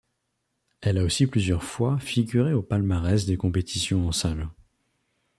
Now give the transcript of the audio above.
Elle a aussi plusieurs fois figuré au palmarès des compétitions en salle.